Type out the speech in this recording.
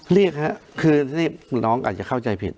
เรียกครับคือน้องอาจจะเข้าใจผิด